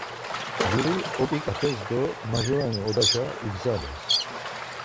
Juri oǩiǩates do majurani odaşa igzales.